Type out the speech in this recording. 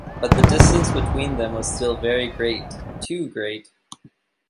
But the distance between them was still very great — too great.